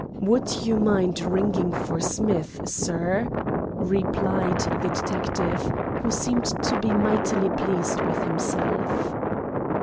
"Would you mind ringing for Smith, sir?" replied the detective, who seemed to be mightily pleased with himself.